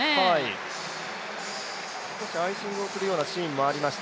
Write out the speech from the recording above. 少しアイシングをするようなシーンもありました。